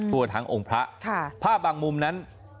ทั่วทั้งองค์พระภาพบางมุมนั้น